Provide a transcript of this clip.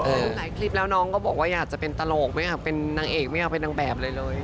คือหลายคลิปแล้วน้องก็บอกว่าอยากจะเป็นตลกไม่อยากเป็นนางเอกไม่อยากเป็นนางแบบอะไรเลย